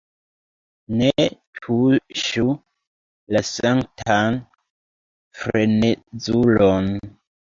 Ne tuŝu la sanktan frenezulon!